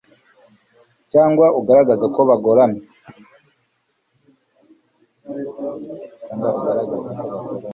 Cyangwa ugaragaze ko bagoramye